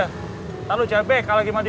nanti lo cebek lagi sama dia